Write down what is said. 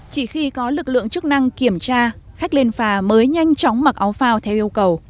chỉ khi có lực lượng chức năng kiểm tra khách lên phà mới nhanh chóng mặc áo phao theo yêu cầu